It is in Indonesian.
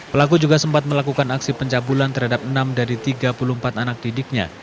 pelaku juga sempat melakukan aksi pencabulan terhadap enam dari tiga puluh empat anak didiknya